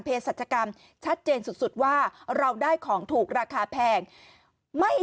สัจกรรมชัดเจนสุดว่าเราได้ของถูกราคาแพงไม่